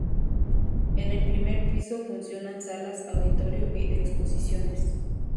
En el primer piso funcionan salas auditorio y de exposiciones.